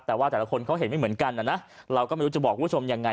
แต่ว่าแต่ละคนเขาเห็นไม่เหมือนกันนะเราก็ไม่รู้จะบอกคุณผู้ชมยังไง